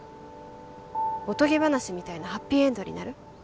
おとぎ話みたいなハッピーエンドになる？